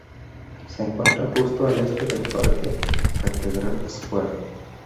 Se encuentra justo al este del Parque Cathedral Square.